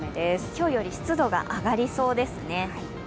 今日より湿度が上がりそうですね。